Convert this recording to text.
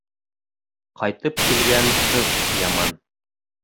Ҡайтып килгән ҡыҙ яман.